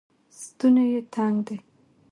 ستونی یې تنګ دی